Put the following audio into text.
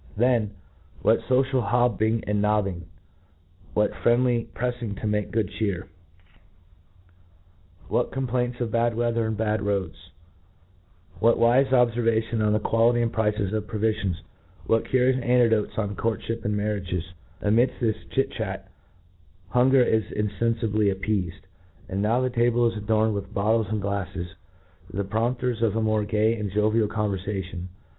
Then, what focial bobbing and nobbing !— ^>^hat friendly prefling to make good chear!— what com " li(J I N T R O U U C T I O N' complaints of bad weather and bad roads !*—% what wife obfcrvations on the quality and prices; of provifions!' ^what curipus anecdotes on courtfhip and marriages ! Amidft this eafy chitr chat) hunger is infeni^bly appeafed ; and now the table is adorned with bottles and glafles, the prompters of a more gay and jovial converfation.